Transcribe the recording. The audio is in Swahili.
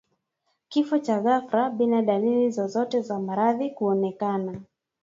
Kifo cha ghafla bila dalili zozote za maradhi kuonekana